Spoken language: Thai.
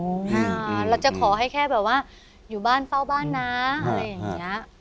อ๋ออืมอืมอืมอืมเราจะขอให้แค่แบบว่าอยู่บ้านเฝ้าบ้านน้าอะไรอย่างเงี้ย